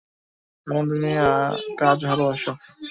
কারণ তুমি কাজ ভালবাসো।